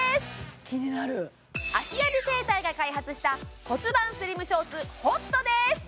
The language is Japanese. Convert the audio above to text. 気になる芦屋美整体が開発した骨盤スリムショーツＨＯＴです